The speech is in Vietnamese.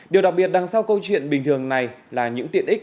điều đặc biệt đằng sau câu chuyện bình thường này là những tiện ích